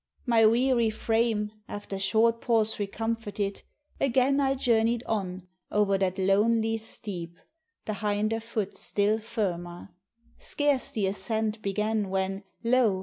My weary frame After short pause recomforted, again I journey'd on over that lonely steep, The hinder foot still firmer. Scarce the ascent Began, when, lo!